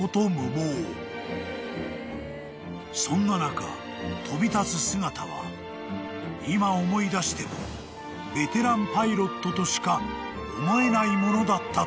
［そんな中飛び立つ姿は今思い出してもベテランパイロットとしか思えないものだったという］